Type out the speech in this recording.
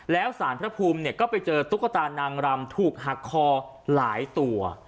แล้วสารพระภูมิเนี่ยก็ไปเจอตุ๊กตานางรำถูกหักคอหลายตัว